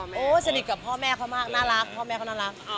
โอ้โหสนิทกับพ่อแม่เขามากน่ารักพ่อแม่เขาน่ารัก